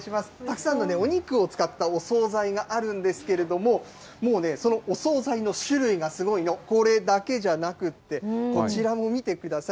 たくさんのお肉を使ったお総菜があるんですけれども、もうね、そのお総菜の種類がすごいの、これだけじゃなくて、こちらも見てください。